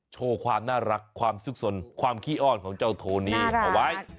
โชความน่ารักความซึ้งสนจะคลิอ้อนของเจ้าโทนี่เอาไว้